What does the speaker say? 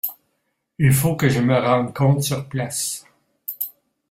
il faut que je me rende compte sur place.